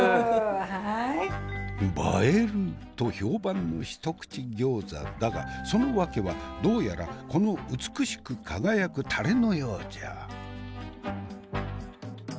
「映える」と評判の一口餃子だがその訳はどうやらこの美しく輝くタレのようじゃ。